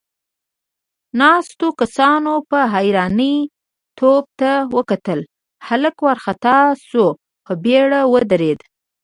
ناستو کسانوپه حيرانۍ تواب ته وکتل، هلک وارخطا شو، په بيړه ودرېد.